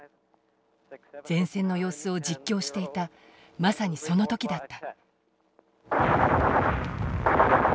前線の様子を実況していたまさにその時だった。